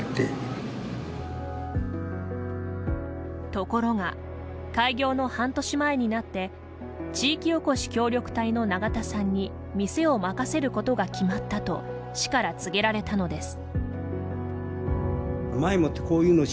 ところが開業の半年前になって地域おこし協力隊の永田さんに店を任せることが決まったと市から告げられたのです。